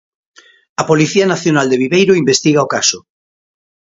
A Policía Nacional de Viveiro investiga o caso.